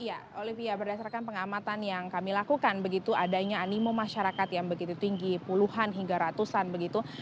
ya olivia berdasarkan pengamatan yang kami lakukan begitu adanya animo masyarakat yang begitu tinggi puluhan hingga ratusan begitu